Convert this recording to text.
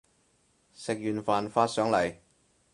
食完飯發上嚟